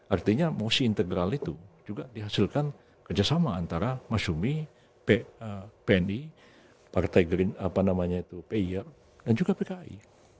artinya mosi integral itu juga dihasilkan kerjasama antara masyumi pni partai pyer dan juga pki